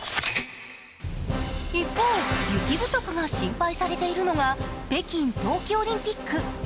一方、雪不足が心配されているのが北京冬季オリンピック。